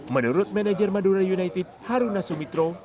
menurut manajer madura united haruna sumitro